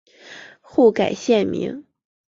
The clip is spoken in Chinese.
后改现名。